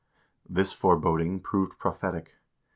1 This foreboding proved pro phetic.